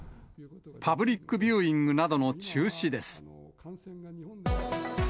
パブリックビューイングなどの中止です。